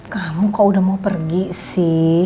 kamu kok udah mau pergi sih